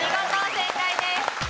正解です。